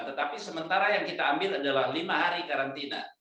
tetapi sementara yang kita ambil adalah lima hari karantina